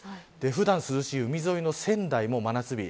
普段涼しい海沿いの仙台も真夏日。